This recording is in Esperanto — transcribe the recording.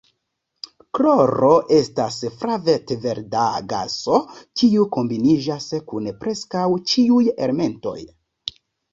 Kloro estas flavet-verda gaso kiu kombiniĝas kun preskaŭ ĉiuj elementoj.